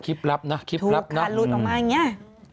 คลิปรับนะคลิปรับนะถูกขัดหลุดออกมาอย่างเงี้ย